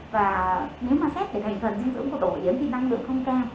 và nếu mà xét về thành phần dinh dưỡng của tổ yến thì năng lực không cao